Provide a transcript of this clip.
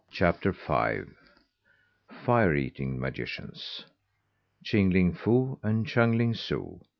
CHAPTER FIVE FIRE EATING MAGICIANS: CHING LING FOO AND CHUNG LING SOO.